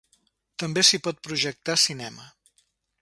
També s'hi pot projectar cinema.